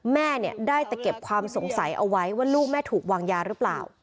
แม่เนี่ยได้แต่เก็บความสงสัยเอาไว้ว่าลูกแม่ถูกวางยาหรือเปล่า